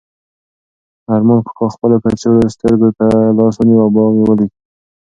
ارمان کاکا خپلو کڅوړنو سترګو ته لاس ونیو او باغ یې ولید.